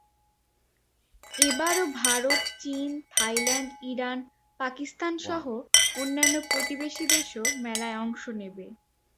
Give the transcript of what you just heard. এবারও ভারত, চীন, Thailand, Iran, পাকিস্তানসহ অন্যান্য প্রতিবেশী দেশও মেলায় অংশ নেবে।